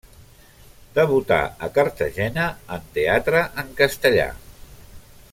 Debutà a Cartagena en teatre en castellà.